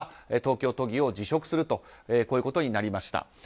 その後、木下被告は東京都議を辞職するとこういうことになりました。